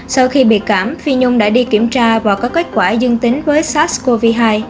sau khi bị cảm phi nhung đã đi kiểm tra và có kết quả dương tính với sars cov hai